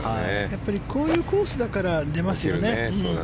やっぱりこういうコースだから出ますよね。